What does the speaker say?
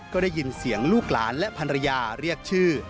ก็ได้ยินเสียงลูกหลานและภรรยาเรียกชื่อ